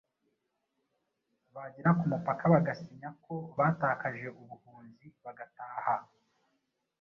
bagera ku mupaka bagasinya ko batakaje ubuhunzi bagataha"